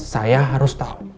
saya harus tau